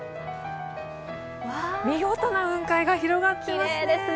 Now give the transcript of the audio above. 見事な雲海が広がっていますね。